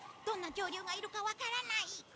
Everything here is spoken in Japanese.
どんな恐竜がいるかわからない。